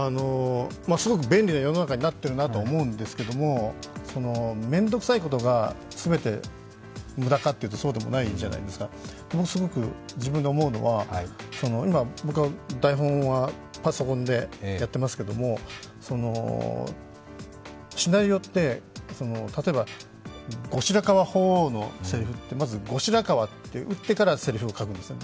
すごく便利な世の中になってるなと思うんですけど面倒くさいことが全て無駄かというと、そうでもないじゃないですかすごく自分が思うのは、今、大体僕は台本はパソコンでやってますけど、シナリオって、例えば後白河法皇というのをまず後白河って打ってからせりふを書くんですね。